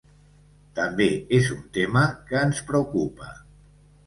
També és un tema que ens preocupa.